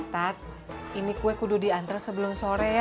tati ini kue kudu diantre sebelum sore ya